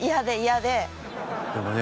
でもね